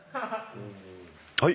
はい。